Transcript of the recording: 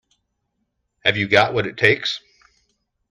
Have you got what it takes?